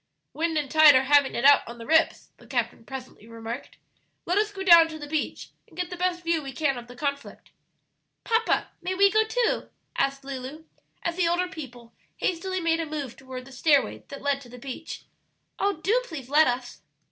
"Wind and tide are having it out on the rips," the captain presently remarked. "Let us go down to the beach and get the best view we can of the conflict." "Papa, may we go too?" asked Lulu, as the older people hastily made a move toward the stairway that led to the beach; "oh, do please let us!"